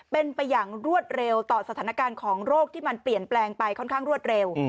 เป็นไปอย่างรวดเร็วต่อสถานการณ์ของโรคที่มันเปลี่ยนแปลงไปค่อนข้างรวดเร็ว